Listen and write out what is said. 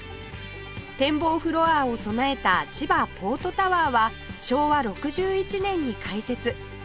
展望フロアを備えた千葉ポートタワーは昭和６１年に開設